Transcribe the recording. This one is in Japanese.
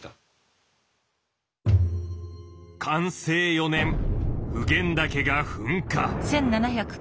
寛政４年普賢岳が噴火。